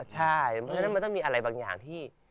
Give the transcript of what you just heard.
ใช่มันต้องมีอะไรบางอย่างที่